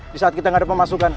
di saat kita gak ada pemasukan